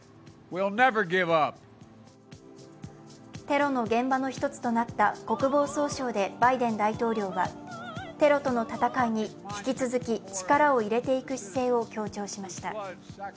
テロの現場の一つとなった国防総省でバイデン大統領はテロのとの戦いに引き続き力を入れていく姿勢を強調しました。